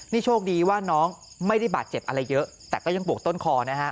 นี่โชคดีว่าน้องไม่ได้บาดเจ็บอะไรเยอะแต่ก็ยังบวกต้นคอนะฮะ